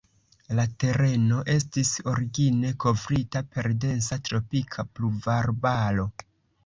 La tereno estis origine kovrita per densa tropika pluvarbaro.